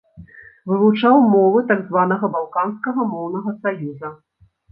Вывучаў мовы так званага балканскага моўнага саюза.